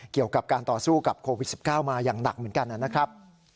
เกี่ยวกับการต่อสู้กับโควิด๑๙มาอย่างหนักเหมือนกันนะครับ